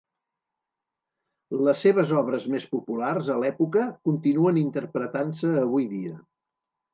Les seves obres més populars a l'època continuen interpretant-se avui dia.